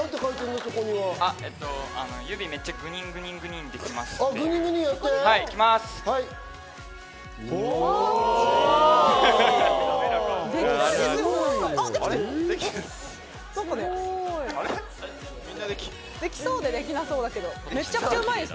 指めっちゃグニングニンできます。